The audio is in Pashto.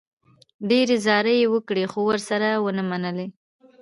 ډېرې زارۍ یې وکړې، خو ورسره و یې نه منله.